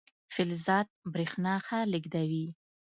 فلزات برېښنا ښه لیږدوي.